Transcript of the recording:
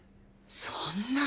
そんな。